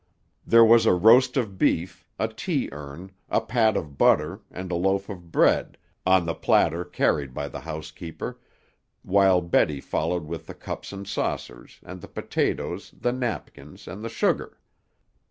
There was a roast of beef, a tea urn, a pat of butter, and a loaf of bread, on the platter carried by the housekeeper, while Betty followed with the cups and saucers, and the potatoes, the napkins, and the sugar.